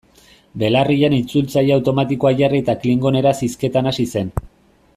Belarrian itzultzaile automatikoa jarri eta klingoneraz hizketan hasi zen.